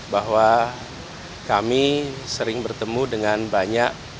bahwa kami sering bertemu dengan banyak